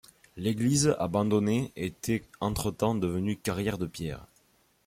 L'église, abandonnée, était entre-temps devenue carrière de pierres.